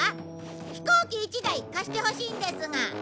飛行機１台貸してほしいんですが。